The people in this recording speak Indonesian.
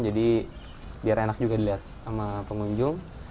jadi biar enak juga dilihat sama pengunjung